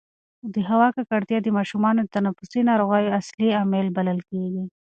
د هوا ککړتیا د ماشومانو د تنفسي ناروغیو اصلي عامل بلل کېږي.